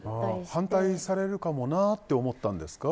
反対されるかもなって思ったんですか？